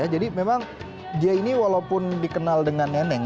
jadi memang dia ini walaupun dikenal dengan neneng